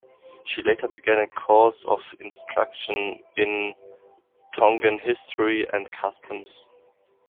She later began a course of instruction in Tongan history and customs.